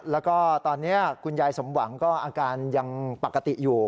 แล้วก็ตอนนี้คุณยายสมหวังก็อาการยังปกติอยู่